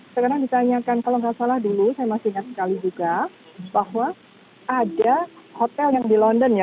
sekarang ditanyakan kalau nggak salah dulu saya masih ingat sekali juga bahwa ada hotel yang di london ya